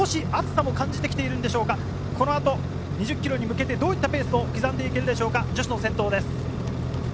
暑さも感じてきているんでしょうか、この後２０ｋｍに向けて、どんなペースで刻んでいけるでしょうか、女子の先頭です。